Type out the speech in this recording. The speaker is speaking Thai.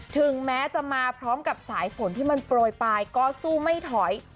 ถึงแม้จะมาพร้อมกับสายฝนที่มันโปรยปลายก็สู้ไม่ถอย